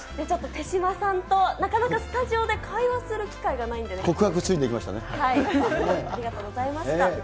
ちょっと手嶋さんと、なかなかスタジオで会話する機会がないんでね。